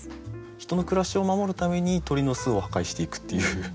人の暮らしを守るために鳥の巣を破壊していくっていう。